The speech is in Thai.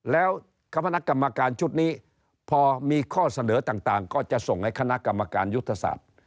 แล้วคณะกรรมการชุดนี้พอมีข้อเสนอต่างก็จะส่งให้คณะกรรมการยุทธศาสตร์